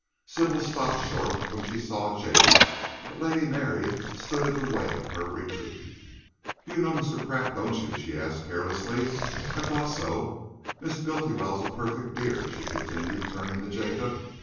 Sybil stopped short when she saw Jacob, but Lady Mary stood in the way of her retreat. "You know Mr. Pratt, don't you?" she asked carelessly. "I thought so. Miss Bultiwell's a perfect dear," she continued, turning to Jacob.